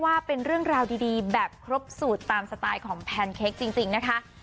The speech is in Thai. ว่าเป็นเรื่องราวดีแบบครบสูตรตามสไตล์ของแพนเค้กจริงนะคะ